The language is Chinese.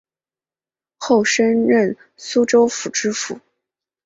后升任苏州府知府